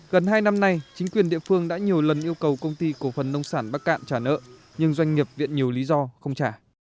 gần hai năm nay chính quyền địa phương đã nhiều lần yêu cầu công ty cổ phần nông sản bắc cạn trả nợ nhưng doanh nghiệp viện nhiều lý do không trả